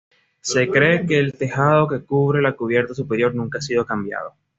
Se cree que el tejado que cubre la cubierta superior nunca ha sido cambiado.